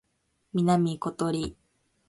南ことり